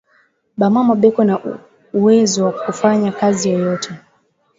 Ba mama beko na uwezo wa kufanya kazi yoyote